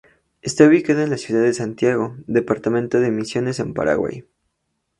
Está ubicada en la ciudad de Santiago, departamento de Misiones en Paraguay.